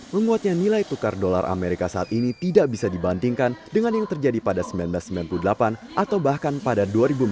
menguatnya nilai tukar dolar amerika saat ini tidak bisa dibandingkan dengan yang terjadi pada seribu sembilan ratus sembilan puluh delapan atau bahkan pada dua ribu empat belas